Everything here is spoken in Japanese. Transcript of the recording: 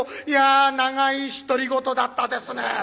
「いや長い独り言だったですね」